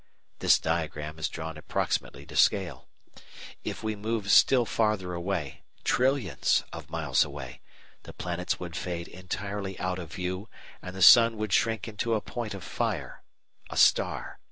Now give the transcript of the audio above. (This diagram is drawn approximately to scale.) If we moved still farther away, trillions of miles away, the planets would fade entirely out of view, and the sun would shrink into a point of fire, a star.